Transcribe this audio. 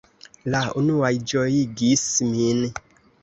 La unuaj ĝojigis min.